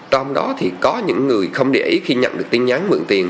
trong đó thì có những người không để ý khi nhận được tin nhắn mượn tiền